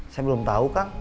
saya belum tau kang